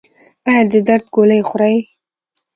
ایا د درد ګولۍ خورئ؟